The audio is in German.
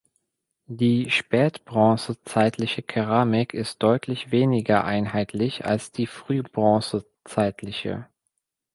Die spätbronzezeitliche Keramik ist deutlich weniger einheitlich als die frühbronzezeitliche.